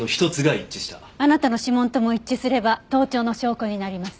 あなたの指紋とも一致すれば盗聴の証拠になります。